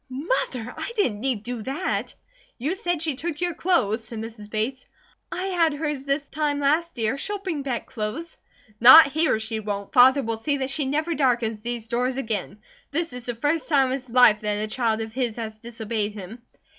"Mother! I didn't need do that!" "You said she took your clothes," said Mrs. Bates. "I had hers this time last year. She'll bring back clothes." "Not here, she won't! Father will see that she never darkens these doors again. This is the first time in his life that a child of his has disobeyed him."